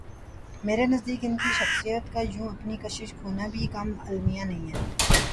میرے نزدیک ان کی شخصیت کا یوں اپنی کشش کھونا بھی کم المیہ نہیں ہے۔